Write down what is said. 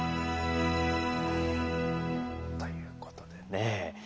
ということでね。